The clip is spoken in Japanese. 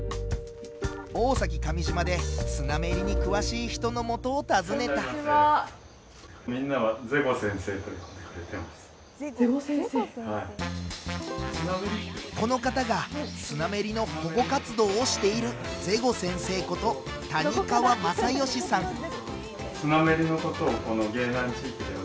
大崎上島でスナメリに詳しい人のもとを訪ねたみんなはこの方がスナメリの保護活動をしているゼゴ先生こと谷川正芳さん